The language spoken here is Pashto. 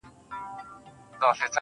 لپاره دې ښار كي ملنگ اوسېږم_